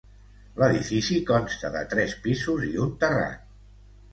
L'edifici consta de tres pisos i un terrat.